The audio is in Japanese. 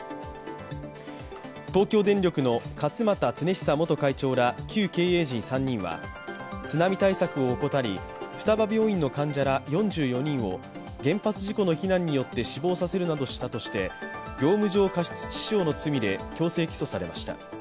東京電力の勝俣恒久元会長ら旧経営陣３人は、津波対策を怠り、双葉病院の患者ら４４人を原発事故の避難によって死亡させるなどしたとして、業務上過失致死傷の罪で強制起訴されました。